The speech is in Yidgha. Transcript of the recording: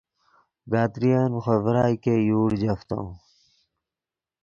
گدرین ڤے خوئے ڤرائے ګئے یوڑ جفتو